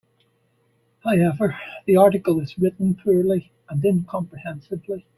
However, the article is written poorly and incomprehensibly.